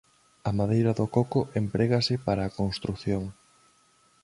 A madeira do coco emprégase para a construción.